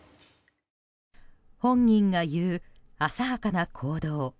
本人が言う、浅はかな行動。